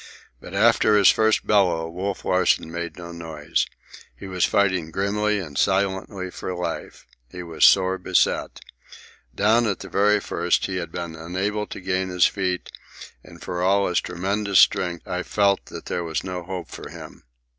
But after his first bellow, Wolf Larsen made no noise. He was fighting grimly and silently for life. He was sore beset. Down at the very first, he had been unable to gain his feet, and for all of his tremendous strength I felt that there was no hope for him.